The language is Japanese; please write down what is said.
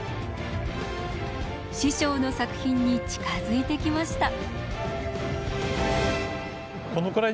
師匠の作品に近づいてきました。